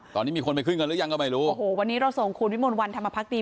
ตอนนี้มีคนไปขึ้นเงินหรือยังก็ไม่รู้โอ้โหวันนี้เราส่งคุณวิมลวันธรรมพักดี